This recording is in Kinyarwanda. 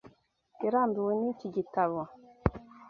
Yarambiwe n'iki gitabo.